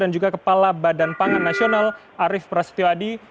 dan juga kepala badan pangan nasional arief prasetyo adi